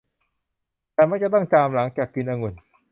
ฉันมักจะต้องจามหลังจากกินองุ่น